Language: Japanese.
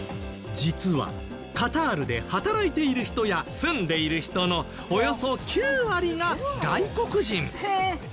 実はカタールで働いている人や住んでいる人のおよそ９割が外国人。